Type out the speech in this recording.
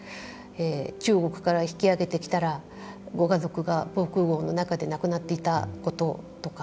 中国から引き揚げてきたらご家族が防空ごうの中で亡くなっていたこととか